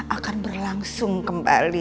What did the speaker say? akan berlangsung kembali